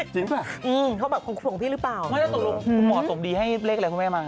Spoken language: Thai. จริงป่ะคุณคุณของพี่หรือเปล่าคุณหมอสมดีให้เลขอะไรคุณแม่มาค่ะ